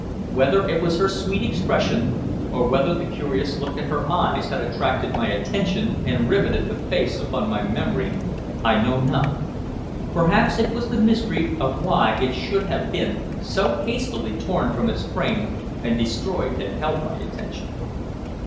Whether it was her sweet expression, or whether the curious look in her eyes had attracted my attention and riveted the face upon my memory, I know not. Perhaps it was the mystery of why it should have been so hastily torn from its frame and destroyed that held my attention.